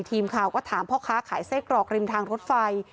ทีมข่าวก็ถามพ่อค้าขายไส้กรอกริมทางรถไฟ